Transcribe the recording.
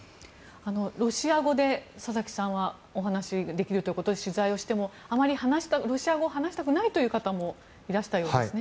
ロシア語で、佐々木さんはお話しできるということで取材をしてもあまりロシア語を話したくないという方もいらしたようですね。